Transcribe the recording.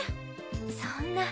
そんな。